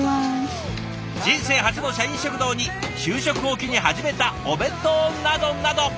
人生初の社員食堂に就職を機に始めたお弁当などなど。